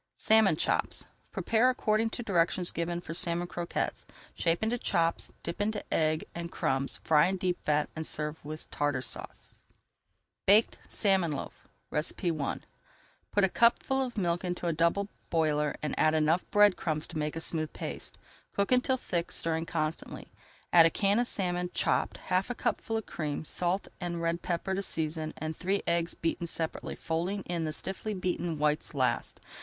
SALMON CHOPS Prepare according to directions given for Salmon Croquettes, shape into chops, dip into egg and crumbs, fry in deep fat, and serve with Tartar Sauce. [Page 297] BAKED SALMON LOAF I Put a cupful of milk into a double boiler and add enough bread crumbs to make a smooth paste. Cook until thick, stirring constantly. Add a can of salmon, chopped, half a cupful of cream, salt and red pepper to season and three eggs beaten separately, folding in the stiffly beaten whites last.